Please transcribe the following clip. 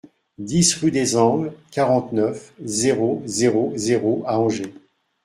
dix rUE DES ANGLES, quarante-neuf, zéro zéro zéro à Angers